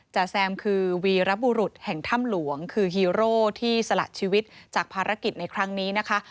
จแซมคือวีรบุรุษแห่งถ้ำหลวงคือฮีโร่ที่สละชีวิตจากภารกิจในครั้งนี้นะคะ